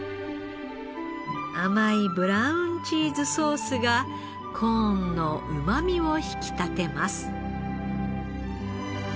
甘いブラウンチーズソースがコーンのうまみを引き立てます。